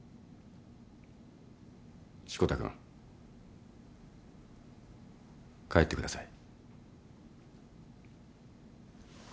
志子田君帰ってください。